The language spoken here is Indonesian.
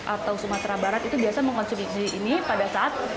atau sumatera barat itu biasa mengkonsumsi ini pada saat